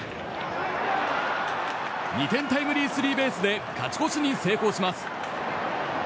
２点タイムリースリーベースで勝ち越しに成功します。